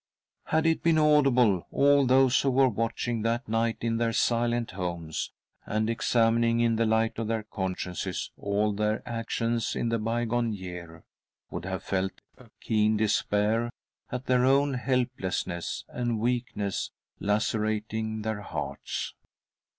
Had it been audible, all those who were watching that night in their silent homes, and examining in the light of their consciences all their actions in the bygone year, would have felt a keen despair at 'their own helplessness and weakness lacerating, their hearts.